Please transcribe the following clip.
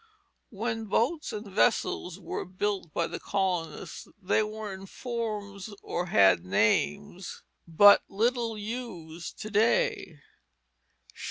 When boats and vessels were built by the colonists, they were in forms or had names but little used to day.